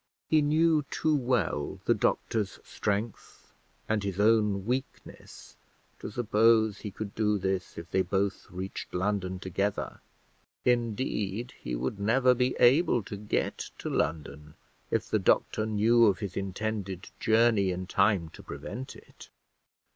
He knew too well the doctor's strength and his own weakness to suppose he could do this, if they both reached London together; indeed, he would never be able to get to London, if the doctor knew of his intended journey in time to prevent it.